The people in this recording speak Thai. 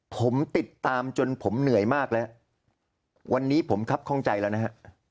ผมติดตามจนผมเหนื่อยมากแล้ววันนี้ผมครับข้องใจแล้วนะฮะ